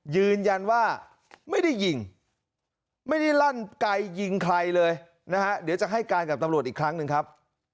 ยืนยันว่าไม่ได้ยิงไม่ได้ลั่นไกลยิงใครเลยนะฮะเดี๋ยวจะให้การกับตำรวจอีกครั้งหนึ่งครับ